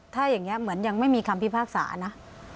ถ้าอย่างนี้เหมือนยังไม่มีคำพิพากษานะ